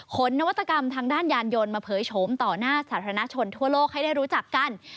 นวัตกรรมทางด้านยานยนต์มาเผยโฉมต่อหน้าสาธารณชนทั่วโลกให้ได้รู้จักกัน